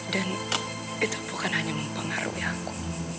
dan itu bukan hanya mempengaruhi aku